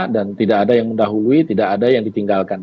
tidak ada yang mendahului tidak ada yang ditinggalkan